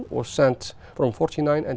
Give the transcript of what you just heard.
bác sĩ đã có hai ông